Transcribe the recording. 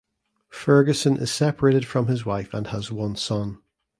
Ferguson is separated from his wife and has one son.